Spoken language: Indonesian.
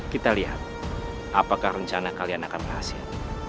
kita lihat apakah rencana kalian akan berhasil